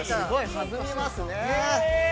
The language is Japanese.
◆弾みますね。